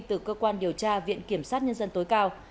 từ cơ quan điều tra viện kiểm sát nhân dân tối cao